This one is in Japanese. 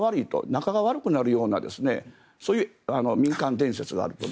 仲が悪くなるようなそういう民間伝説があると。